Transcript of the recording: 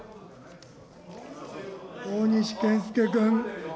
大西健介君。